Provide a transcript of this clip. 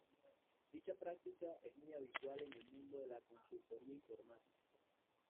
Dicha práctica es muy habitual en el mundo de la consultoría informática.